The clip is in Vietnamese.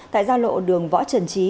tại giao lộ đường võ trần chí